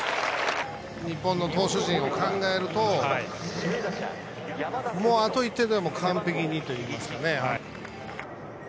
日本の投手陣を考えると、もうあと１点ぐらいあれば完璧にといいますかね。